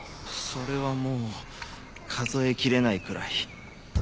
それはもう数え切れないくらい。